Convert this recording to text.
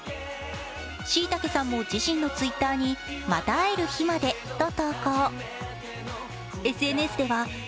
「しいたけ．」さんも自身のＴｗｉｔｔｅｒに「また会える日まで」と投稿。